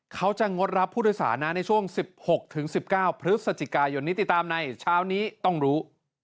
งดรับผู้โดยสารนะในช่วง๑๖๑๙พฤศจิกายนนี้ติดตามในเช้านี้ต้องรู้